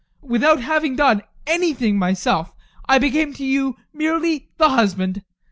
Without having done anything myself, I became to you merely the husband.